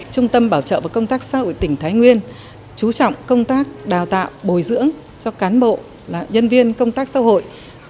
trung tâm bảo trợ và công tác xã hội tỉnh thái nguyên chú trọng công tác đào tạo bồi dưỡng cho cán bộ nhân viên công tác xã hội